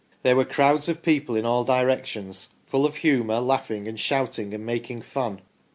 There were crowds of people in all directions, full of humour, laughing and shouting and making fun.